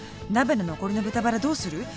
鍋の残りの豚バラどうする？